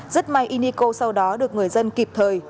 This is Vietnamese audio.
rất may y niko sau đó được người dân kịp thời